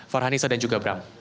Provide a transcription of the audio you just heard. farhan nisa dan juga bram